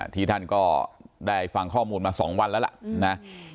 ที่ท่านก็ได้ฟังข้อมูลมา๒วันแล้วล่ะนะ